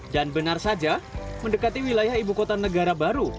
dan benar saja mendekati wilayah ibu kota negara baru